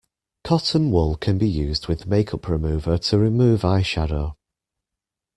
Cotton wool can be used with make-up remover to remove eyeshadow